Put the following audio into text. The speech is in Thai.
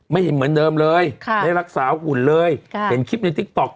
ไม่เห็นเหมือนเดิมเลยได้รักษาหุ่นเลยเห็นคลิปในติ๊กต๊อก